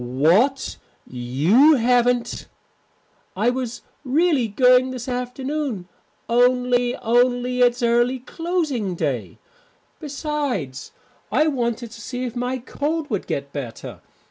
"What! You haven't " "I was really going this afternoon, only only it's early closing day. Besides, I wanted to see if my cold would get better.